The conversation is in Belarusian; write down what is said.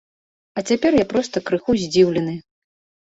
А цяпер я проста крыху здзіўлены.